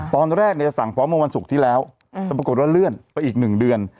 ตอนแรกเนี่ยสั่งพร้อมเมื่อวันศุกร์ที่แล้วแต่ปรากฏว่าเลื่อนไปอีก๑เดือน